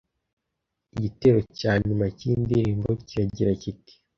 Igitero cya nyuma cy’iyi ndirimbo kiragira kiti